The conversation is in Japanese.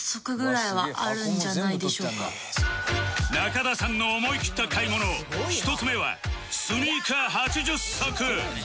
中田さんの思いきった買い物１つ目はスニーカー８０足